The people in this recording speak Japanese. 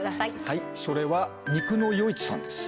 はいそれは肉のよいちさんです